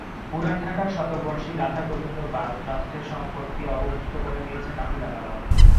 পুরান ঢাকার শতবর্ষী রাধাগোবিন্দ পাল ট্রাস্টের সম্পত্তি অবমুক্ত করে দিয়েছেন আপিল আদালত।